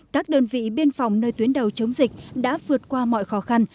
các đơn vị biên phòng nơi tuyến đầu chống dịch đã vượt qua mọi khó khăn